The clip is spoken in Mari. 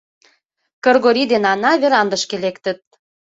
Кыргорий ден Ана верандышке лектыт.